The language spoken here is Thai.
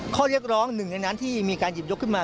ข้อเรียกร้องหนึ่งในนั้นที่มีการหยิบยกขึ้นมา